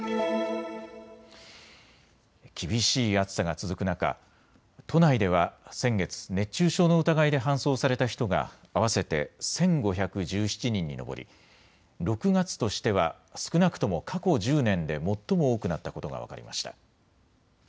厳しい暑さが続く中、都内では先月、熱中症の疑いで搬送された人が合わせて１５１７人に上り６月としては少なくとも過去１０年で最も多くなったことが分かりました。